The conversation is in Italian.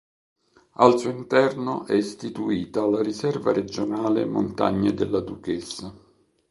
Al suo interno è istituita la Riserva regionale Montagne della Duchessa.